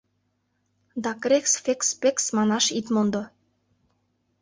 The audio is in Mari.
— Да «крекс, фекс, пекс» манаш ит мондо...